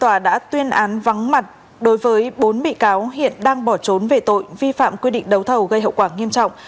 tòa đã tuyên án vắng mặt đối với bốn bị cáo hiện đang bỏ trốn về tội vi phạm quy định đấu thầu gây hậu quả nghiêm trọng